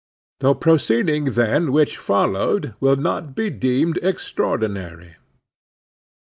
The proceeding then which followed will not be deemed extraordinary.